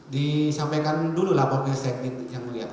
disampaikan dulu lah mobil sektit yang mulia